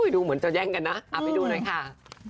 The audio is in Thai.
ดูเหมือนจะแย่งกันนะเอาไปดูหน่อยค่ะ